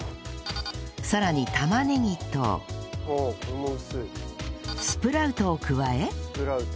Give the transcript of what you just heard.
さらに玉ねぎとスプラウトを加えスプラウト。